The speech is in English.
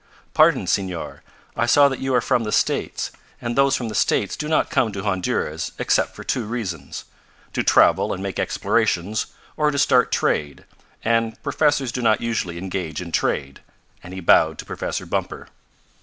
"Pardon, Senor. I saw that you are from the States. And those from the States do not come to Honduras except for two reasons. To travel and make explorations or to start trade, and professors do not usually engage in trade," and he bowed to Professor Bumper.